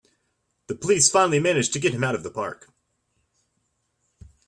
The police finally manage to get him out of the park!